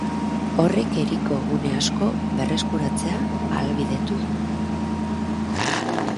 Horrek hiriko gune asko berreskuratzea ahalbidetu du.